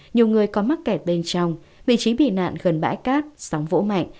nhiều người có mắc kẹt bên trong vị trí bị nạn gần bãi cát sóng vỗ mạnh